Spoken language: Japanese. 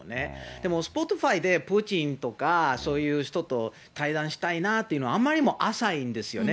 でもスポティファイで、プーチンとかそういう人と対談したいなっていうのは、あまりにも浅いんですよね。